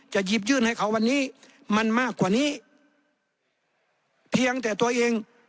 หยิบยื่นให้เขาวันนี้มันมากกว่านี้เพียงแต่ตัวเอง